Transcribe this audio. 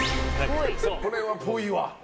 これはっぽいわ。